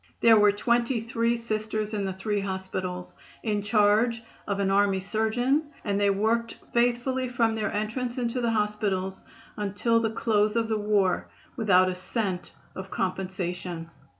There were twenty three Sisters in the three hospitals, in charge of an army surgeon, and they worked faithfully from their entrance into the hospitals until the close of the war, without a cent of compensation.